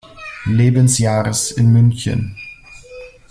Lebensjahres in München.